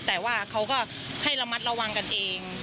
แต่ว่าเขาก็ให้ระมัดระวังกันเอง